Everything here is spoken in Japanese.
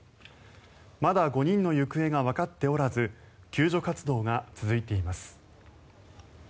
まだ５人の行方がわかっておらず救助活動が続いています。